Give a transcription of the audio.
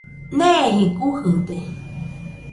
Neeji gujɨde.